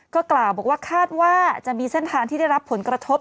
ก็กล่าวบอกว่าคาดว่าจะมีเส้นทางที่ได้รับผลกระทบ